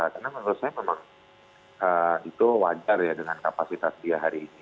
karena menurut saya memang itu wajar ya dengan kapasitas dia hari ini